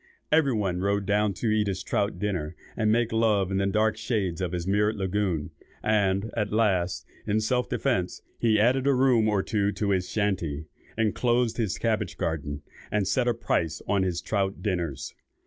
Everybody rode down to eat his trout, and make love in the dark shades of his mirrored lagoon; and, at last, in self defence, he added a room or two to his shanty, enclosed his cabbage garden, and set a price on his trout dinners.